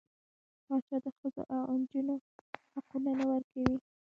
پاچا د ښځو او نجونـو حقونه نه ورکوي .